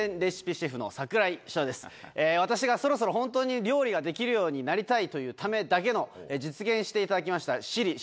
私がそろそろ本当に料理ができるようになりたいというためだけの実現していただきました。